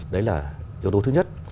đấy là yếu tố thứ nhất